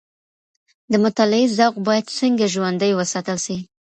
د مطالعې ذوق باید څنګه ژوندی وساتل سي؟